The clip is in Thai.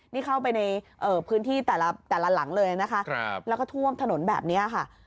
นี่เข้าไปในพื้นที่แต่ละหลังเลยนะคะแล้วก็ท่วมถนนแบบนี้ค่ะ